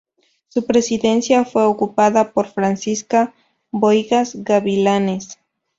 Su presidencia fue ocupada por Francisca Bohigas Gavilanes.